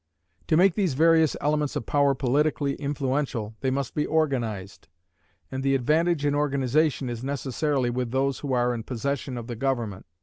To make these various elements of power politically influential they must be organized; and the advantage in organization is necessarily with those who are in possession of the government.